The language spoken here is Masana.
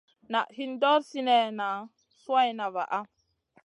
Naʼ hin ɗor sinèhna suwayna vaʼa.